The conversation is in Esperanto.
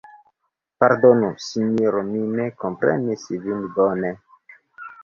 Pardonu, Sinjoro, mi ne komprenis vin bone.